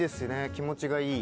気持ちがいい。